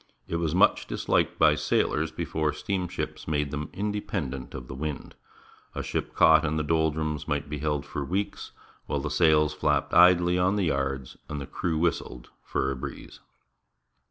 It was much dis liked by sailors before steamships made them independent of the wind. A ship caught in the doldrums might be held for weeks, while the sails flapped idly on the yards, and the crew whistled for a breeze.